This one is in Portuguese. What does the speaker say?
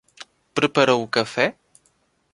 Preparou o café?